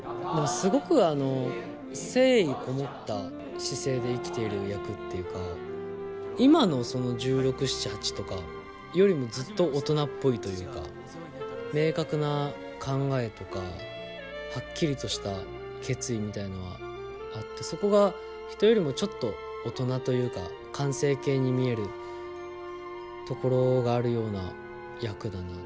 すごく誠意こもった姿勢で生きている役っていうか今の１６１７１８とかよりもずっと大人っぽいというか明確な考えとかはっきりとした決意みたいのはあってそこが人よりもちょっと大人というか完成形に見えるところがあるような役だな。